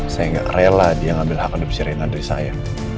saya nggak rela dia ngambil hak adopsi reina dari saya